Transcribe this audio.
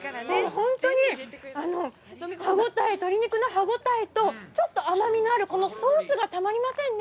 本当に歯応え、鳥肉の歯応えと、ちょっと甘みのある、このソースがたまりませんね。